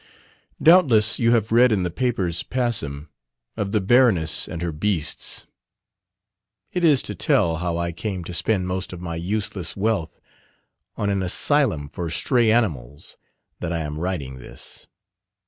Doubtless you have read in the papers passim of "the Baroness and her beasts." It is to tell how I came to spend most of my useless wealth on an asylum for stray animals that I am writing this.